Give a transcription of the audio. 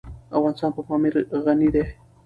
افغانستان په پامیر غني دی.